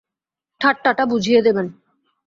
ঠাট্টাটা বুঝিয়ে দেবেন।